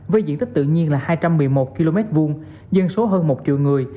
với diện tích tự nhiên là hai trăm một mươi một km hai dân số hơn một triệu người